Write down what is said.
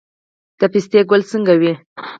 د پستې ګل څنګه وي؟